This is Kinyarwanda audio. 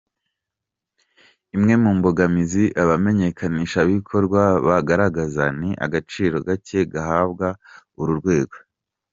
Imwe mu mbogamizi abamenyekanishabikorwa bagaragaza ni agaciro gake gahabwa uru rwego.